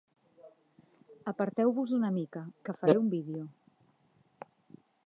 Aparteu-vos una mica, que faré un vídeo.